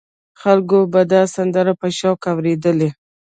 خلکو به دا سندرې په شوق اورېدلې.